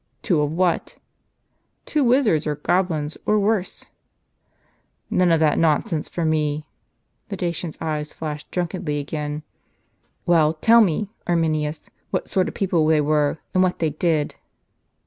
"Two of what?" " Two wizards, or goblins, or worse." "None of that nonsense for me." The Dacian's eye flashed drunkenly again. " Well, tell me, Arminius, what sort of people they were, and what they did."